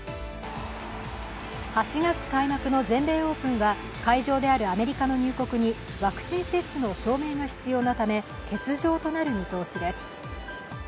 ８月開幕の全米オープンは会場であるアメリカの入国にワクチン接種の証明が必要なため欠場となる見通しです。